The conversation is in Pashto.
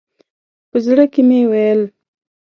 په زړه کې مې ویل.